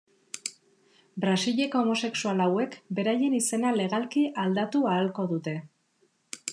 Brasileko homosexual hauek beraien izena legalki aldatu ahalko dute.